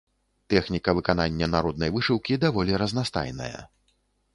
Тэхніка выканання народнай вышыўкі даволі разнастайная.